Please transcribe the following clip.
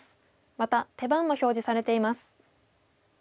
また手番も表示されています。